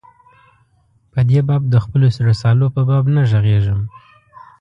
په دې باب د خپلو رسالو په باب نه ږغېږم.